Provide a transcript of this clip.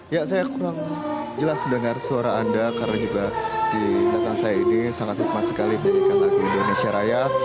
ya saya kurang jelas mendengar suara anda karena juga di belakang saya ini sangat nikmat sekali menyanyikan lagu indonesia raya